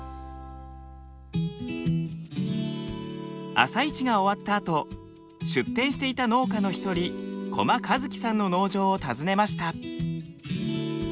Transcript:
朝市が終わったあと出店していた農家の一人小間一貴さんの農場を訪ねました。